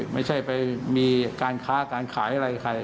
ไม่ใช่ไปมีการค้าการขายอะไรใคร